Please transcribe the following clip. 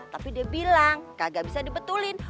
tapi dia bilang kagak bisa dibetulin